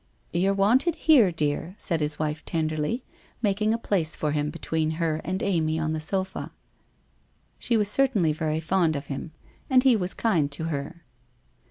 ' You're wanted here, dear/ said his wife tenderly, mak ing a place for him between her and Amy on the sofa. She was certainly very fond of him, and he was kind to her.